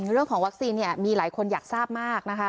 เรื่องของวัคซีนเนี่ยมีหลายคนอยากทราบมากนะคะ